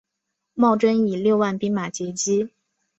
茂贞以六万兵马截击。